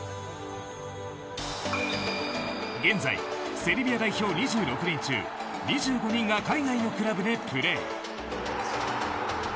現在、セルビア代表２６人中２５人が海外のクラブでプレー。